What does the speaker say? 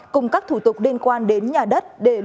cùng các thủ tục liên quan đến nhà đất